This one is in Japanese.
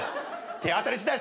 手当たりしだい